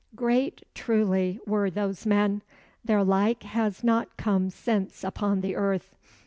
Great truly were those men; their like has not come since upon the earth.